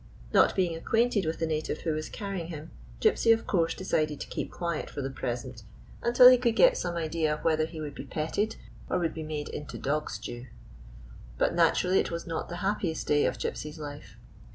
Not being acquainted with the native who was carrying him, Gypsy, of course, decided to keep quiet for the present, until he could get some idea whether he would be petted or would be made into dog stew. But naturally it was not the happiest day of Gypsy's life.